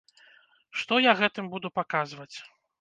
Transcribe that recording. Што я гэтым буду паказваць?